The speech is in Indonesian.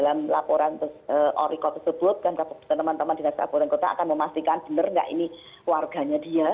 dan laporan orico tersebut kan teman teman di laporan kota akan memastikan benar gak ini warganya dia